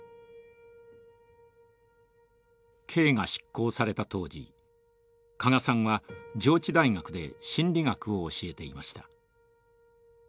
刑が執行された当時加賀さんは上智大学で心理学を教えていました。